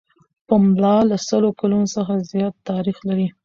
پملا له سلو کلونو څخه زیات تاریخ لري.